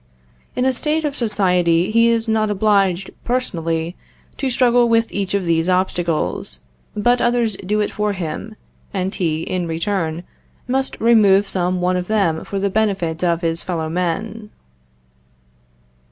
In a state of society he is not obliged, personally, to struggle with each of these obstacles, but others do it for him; and he, in return, must remove some one of them for the benefit of his fellow men.